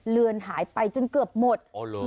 เรือนหายไปจนเกือบหมด